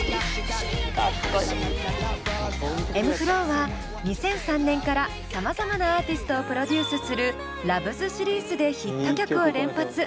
ｍ−ｆｌｏは２００３年からさまざまなアーティストをプロデュースするｌｏｖｅｓシリーズでヒット曲を連発。